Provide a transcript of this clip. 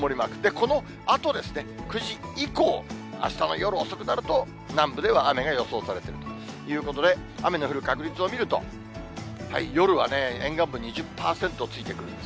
このあとですね、９時以降、あしたの夜遅くなると、南部では雨が予想されてるということで、雨の降る確率を見ると、夜は沿岸部２０％ついてくるんです。